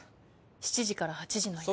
７時から８時の間。